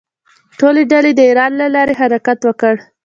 ټولې ډلې د ایران له لارې حرکت وکړ.